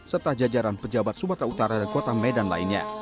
serta jajaran pejabat sumatera utara dan kota medan lainnya